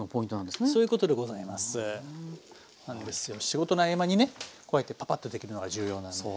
仕事の合間にねこうやってパパッとできるのが重要なんです。